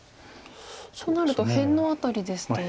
そうなると辺のあたりですと。